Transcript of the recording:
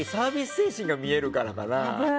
精神が見えるからかな。